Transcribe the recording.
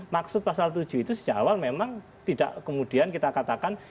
maksud pasal tujuh itu sejak awal memang tidak kemudian kita katakan